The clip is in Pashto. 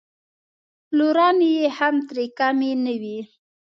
لورانې یې هم ترې کمې نه وې.